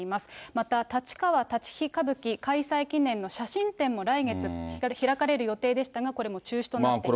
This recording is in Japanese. また立川立飛歌舞伎開催記念の写真展も来月開かれる予定でしたが、これも中止となっています。